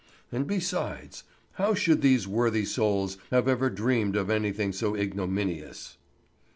And besides, how should these worthy souls have ever dreamed of anything so ignominious?